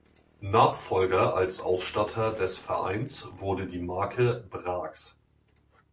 Nachfolger als Ausstatter des Vereins wurde die Marke Brax.